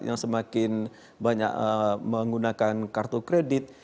yang semakin banyak menggunakan kartu kredit